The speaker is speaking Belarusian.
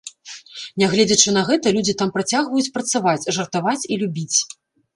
Нягледзячы на гэта, людзі там працягваюць працаваць, жартаваць і любіць.